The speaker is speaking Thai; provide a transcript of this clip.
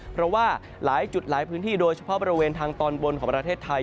เพราะว่าหลายจุดหลายพื้นที่โดยเฉพาะบริเวณทางตอนบนของประเทศไทย